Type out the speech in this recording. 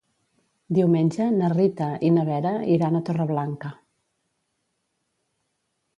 Diumenge na Rita i na Vera iran a Torreblanca.